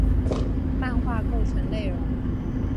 漫画构成内容。